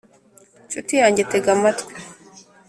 nshuti yanjye tega amtwi